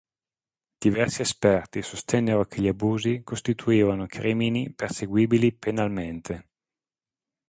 Diversi esperti sostennero che gli abusi costituivano crimini perseguibili penalmente.